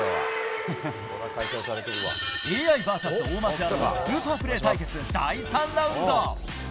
ＡＩｖｓ大町アナのスーパープレー対決第３ラウンド。